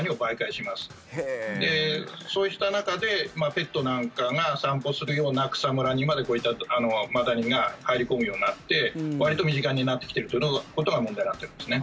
そうした中でペットなんかが散歩するような草むらにまでこういったマダニが入り込むようになってわりと身近になってきているということが問題になっていますね。